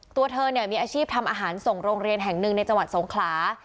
ตัวเธอเนี่ยมีอาชีพทำอาหารส่งโรงเรียนแห่งหนึ่งในจังหวัดสงขลา